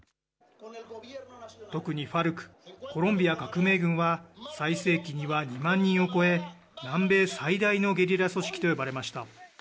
特にＦＡＲＣ・コロンビア革命軍は、最盛期には２万人を超え、南米最大のゲリラ組織と呼ばれました。